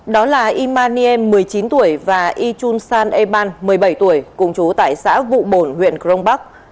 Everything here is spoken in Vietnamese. đó là yma nie một mươi chín tuổi và ychun san eban một mươi bảy tuổi cùng chú tại xã vụ bồn huyện krong bắc